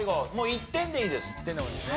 １点でもいいんですね。